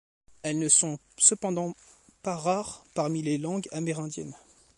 Elles ne sont cependant pas rares parmi les langues amérindiennes.